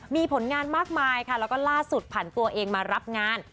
มีผลงานมากมายค่ะแล้วก็ล่าสุดผ่านตัวเองมารับงาน